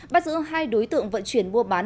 bắt giữ hai đối tượng vận chuyển mua bán